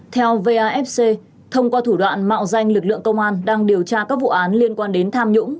theo vafc thông qua thủ đoạn mạo danh lực lượng công an đang điều tra các vụ án liên quan đến tham nhũng